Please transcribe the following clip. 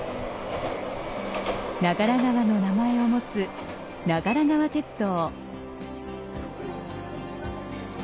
長良川の名前をもつ長良川鉄道。